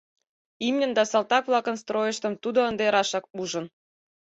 Имньын да салтак-влакын стройыштым тудо ынде рашак ужын.